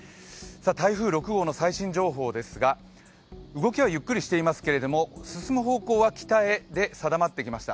台風６号の最新情報ですが、動きはゆっくりしていますけれども進む方向は北で定まってきました。